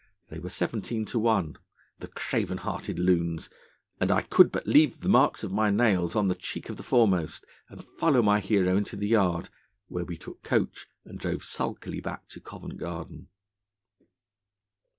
They were seventeen to one, the craven hearted loons; and I could but leave the marks of my nails on the cheek of the foremost, and follow my hero into the yard, where we took coach, and drove sulkily back to Covent Garden.